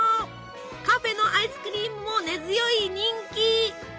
カフェのアイスクリームも根強い人気！